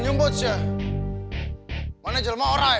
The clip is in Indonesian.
guys gue cabut duluan ya